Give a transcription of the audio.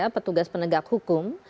petugas penegak hukum